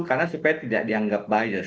karena supaya tidak dianggap bias